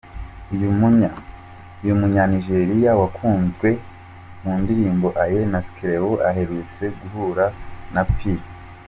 Uyu munya-Nigeriya wakunzwe mu ndirimbo ‘Aye’ na ‘Skelewu’ aherutse guhura na P.